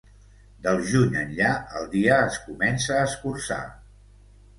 Del juny enllà, el dia es comença a escurçar.